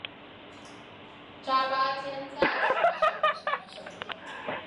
扎巴坚赞兄弟六人只有贡噶勒巴的父亲桑结坚赞娶妻生子。